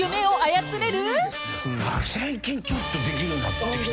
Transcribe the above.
最近ちょっとできるようになってきた。